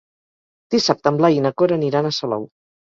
Dissabte en Blai i na Cora aniran a Salou.